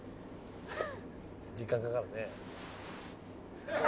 時間かかるね。